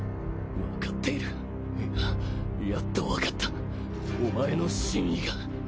わかっているいややっとわかったお前の真意が。